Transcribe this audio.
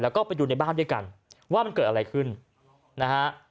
แล้วก็ไปดูในบ้านด้วยกันว่ามันเกิดอะไรขึ้นนะฮะ